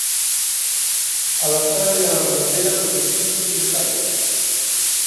A la Pera i a l'Armentera tot són jutges i notaris.